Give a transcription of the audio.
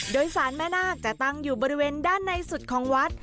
โดยสารแม่นาคจะตั้งอยู่บริเวณด้านในสุดของวัด